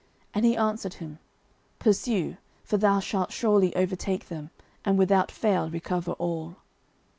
And he answered him, Pursue: for thou shalt surely overtake them, and without fail recover all.